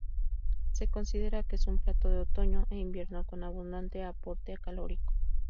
Se considera que es un plato de otoño e invierno con abundante aporte calórico.